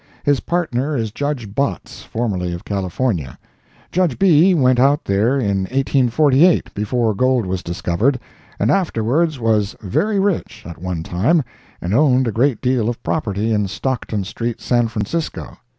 His partner is Judge Botts, formerly of California. Judge B. went out there in 1848, before gold was discovered, and afterwards was very rich, at one time, and owned a great deal of property in Stockton street, San Francisco.